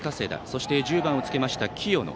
そして１０番をつけた清野。